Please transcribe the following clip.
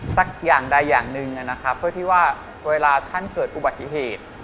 สักอย่างใดอย่างหนึ่งนะครับเพื่อที่ว่าเวลาท่านเกิดอุบัติเหตุ